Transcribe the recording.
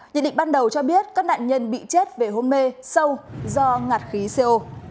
nhận định ban đầu cho biết các nạn nhân bị chết về hôn mê sâu do ngạt khí co